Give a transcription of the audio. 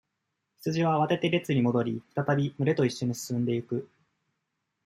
羊は、慌てて、列に戻り、再び、群れと一緒に進んでいく。